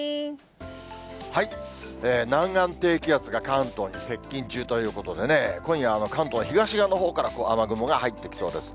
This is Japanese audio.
南岸低気圧が関東に接近中ということでね、今夜、関東東側のほうから雨雲が入ってきそうですね。